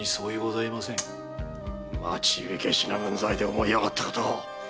町火消しの分際で思い上がったことを！